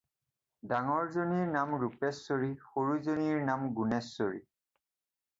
ডাঙৰজনীৰ নাম ৰূপেশ্বৰী, সৰুজনীৰ নাম গুণেশ্বৰী।